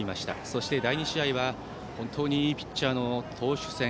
そして、第２試合は本当にいいピッチャーの投手戦。